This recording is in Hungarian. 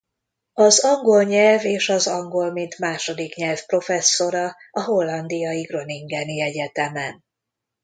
Az angol nyelv és az angol mint második nyelv professzora a hollandiai Groningeni Egyetemen.